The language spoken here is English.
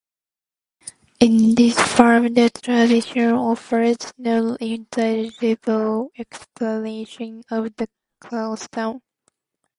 In this form the tradition offers no intelligible explanation of the custom.